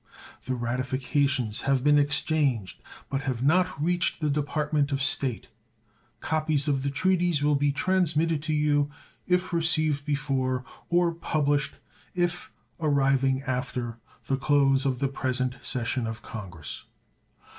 The ratifications have been exchanged, but have not reached the Department of State. Copes of the treaties will be transmitted to you if received before, or published if arriving after, the close of the present session of Congress.